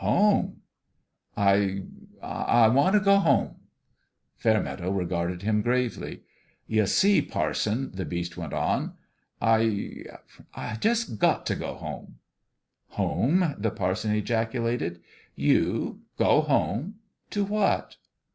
" Home 1 "" I I want t' go home." Fairmeadow regarded him gravely. "Ye see, parson," the Beast went on, "I I jus' got t' go home." " Home !" the parson ejaculated. "You go home! To what?"